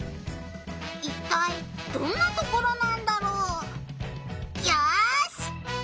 いったいどんなところなんだろう？よし！